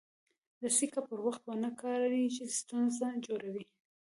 رسۍ که پر وخت ونه کارېږي، ستونزه جوړوي.